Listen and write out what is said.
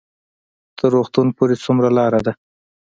تر روغتون پورې څومره لار ده؟